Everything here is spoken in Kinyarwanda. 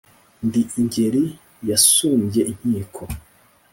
Ndi ingeri yasumbye inkiko.